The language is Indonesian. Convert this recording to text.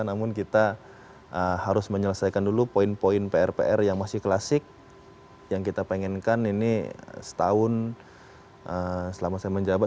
namun kita harus menyelesaikan dulu poin poin pr pr yang masih klasik yang kita pengenkan ini setahun selama saya menjabat